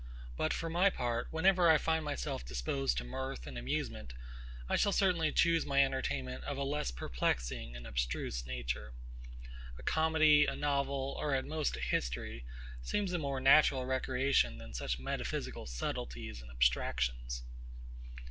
But for my part, whenever I find myself disposed to mirth and amusement, I shall certainly choose my entertainment of a less perplexing and abstruse nature. A comedy, a novel, or at most a history, seems a more natural recreation than such metaphysical subtleties and abstractions.